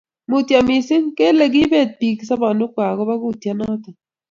mutyo missing!kele kiibeet biik sobonwekkwai agoba kutyat noto